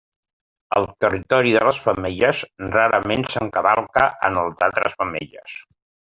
El territori de les femelles rarament s'encavalca amb el d'altres femelles.